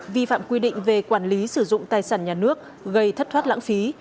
vi phạm quy định về quản lý sử dụng tài sản nhà nước gây thất thoát lãng phí